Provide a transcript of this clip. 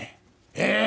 ええ。